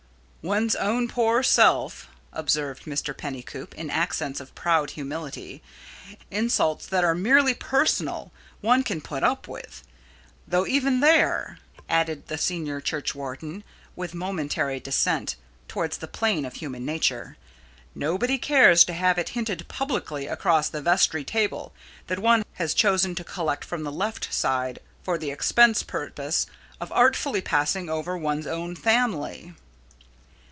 "One's own poor self," observed Mr. Pennycoop, in accents of proud humility "insults that are merely personal one can put up with. Though even there," added the senior churchwarden, with momentary descent towards the plane of human nature, "nobody cares to have it hinted publicly across the vestry table that one has chosen to collect from the left side for the express purpose of artfully passing over one's own family."